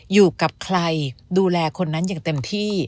อยู่กับใครดูแลคนนั้นอย่างเต็มที่